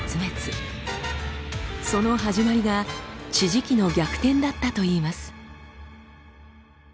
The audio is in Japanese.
しかしその始まりが地磁気の逆転だったといいます。